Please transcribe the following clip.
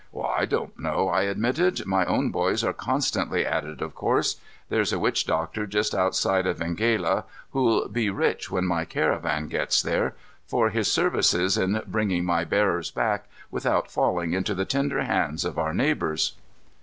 "I don't know," I admitted. "My own boys are constantly at it, of course. There's a witch doctor just outside of Venghela who'll be rich when my caravan gets there, for his services in bringing my bearers back without falling into the tender hands of our neighbors."